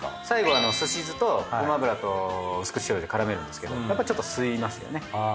最後すし酢とごま油と薄口醤油で絡めるんですけどやっぱちょっと吸いますよね。